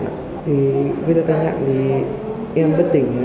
gây ra tai nạn thì em bất tỉnh